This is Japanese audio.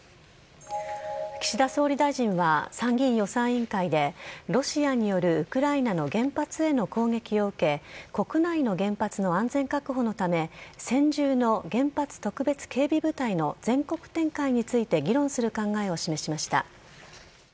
岸田総理大臣は、参議院予算委員会で、ロシアによるウクライナの原発への攻撃を受け、国内の原発の安全確保のため、専従の原発特別警備部隊の全国展開について議論する考えを示しました。